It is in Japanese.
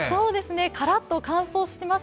カラッと乾燥します。